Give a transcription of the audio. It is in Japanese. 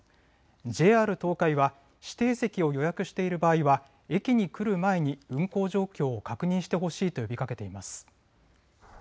ＪＲ東海は指定席を予約している場合は駅に来る前に運行状況を確認してほしいと呼びかけています。